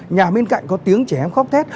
nhà bên cạnh có tiếng trẻ em khóc thét